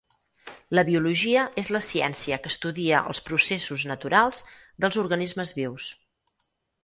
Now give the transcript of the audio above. La biologia és la ciència que estudia els processos naturals dels organismes vius.